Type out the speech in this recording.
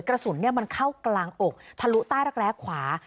กระสุนมันเข้ากลางอกทะลุใต้รักแร้ขวา